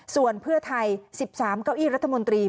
ส่วนเพื่อไทย๑๓เก้าอี้รัฐมนตรี